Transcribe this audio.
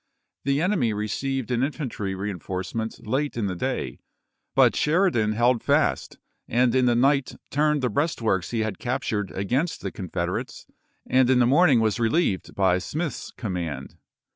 The enemy received an infantry reenforcement late in the day, but Sheridan held fast, and in the night turned the breastworks he had captured against the Confederates, and in the morning was reheved by Smith's command.